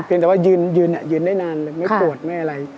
เพียงแต่ว่ายืนได้นานไม่ปวดไม่อะไร